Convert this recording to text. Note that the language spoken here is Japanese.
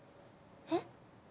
えっ？